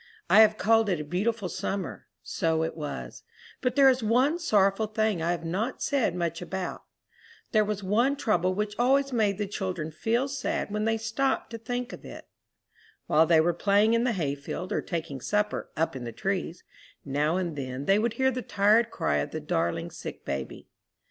I have called it a beautiful summer; so it was, but there is one sorrowful thing I have not said much about. There was one trouble which always made the children feel sad when they stopped to think of it. While they were playing in the hay field, or taking supper "up in the trees," now and then they would hear the tired cry of the darling sick baby.